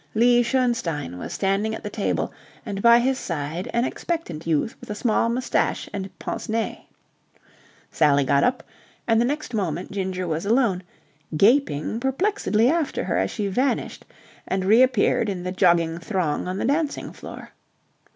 Lee Schoenstein was standing at the table, and by his side an expectant youth with a small moustache and pince nez. Sally got up, and the next moment Ginger was alone, gaping perplexedly after her as she vanished and reappeared in the jogging throng on the dancing floor.